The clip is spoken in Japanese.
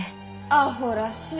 アホらしい。